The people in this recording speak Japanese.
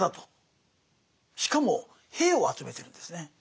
しかも兵を集めてるんですね。